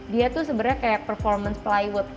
dia tuh sebenarnya kayak performance playwood